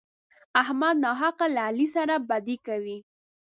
احمد ناحقه له علي سره بدي کوي.